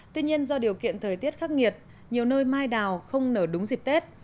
tuy nhiên do điều kiện thời tiết khắc nghiệt nhiều nơi mai đào không nở đúng dịp tết